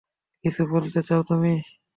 কিছু কি বলতে চাও তুমি?